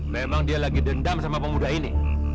memang dia lagi dendam sama pemuda ini